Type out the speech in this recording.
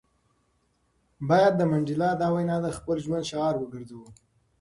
باید د منډېلا دا وینا د خپل ژوند شعار وګرځوو.